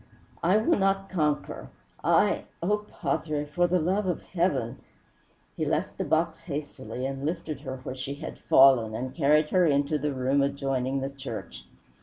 "I will not conquer. I Oh, padre for the love of heaven " He left the box hastily and lifted her where she had fallen and carried her into the room adjoining the church.